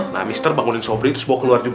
nah mister bangunin sobri terus bawa keluar juga